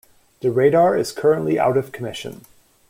The radar is currently out of commission.